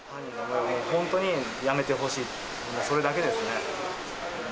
本当にやめてほしい、それだけですね。